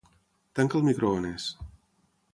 Tanca el microones.